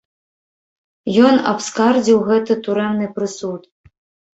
Ён абскардзіў гэты турэмны прысуд.